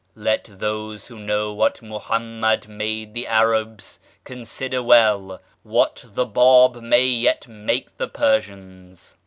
Let those who know what Muhammad made the Arabs, consider well what the Báb may yet make the Persians.